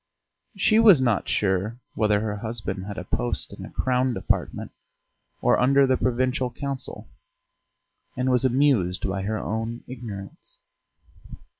She was not sure whether her husband had a post in a Crown Department or under the Provincial Council and was amused by her own ignorance.